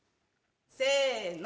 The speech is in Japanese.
せの。